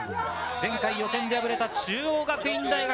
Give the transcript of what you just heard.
前回予選で敗れた中央学院大学。